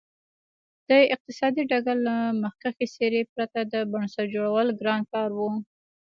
د اقتصادي ډګر له مخکښې څېرې پرته د بنسټ جوړول ګران کار و.